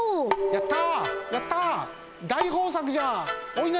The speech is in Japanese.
やった！